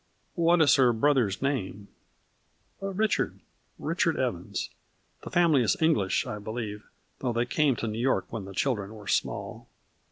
" What is her brother's name ?"" Richard — Richard Evans. The family is English I believe, though they came to New York when the children were small."